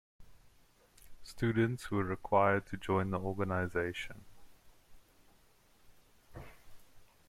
Students were required to join the organisation.